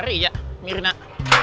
terima kasih pak